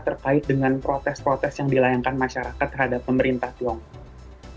terkait dengan protes protes yang dilayangkan masyarakat terhadap pemerintah tiongkok